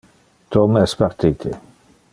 Tom es partite.